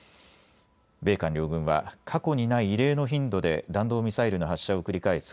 米韓両軍は過去にない異例の頻度で弾道ミサイルの発射を繰り返す